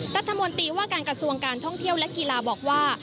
รัฐมนตรีว่าการกระทรวงการท่องเที่ยวและกีฬาบอกว่า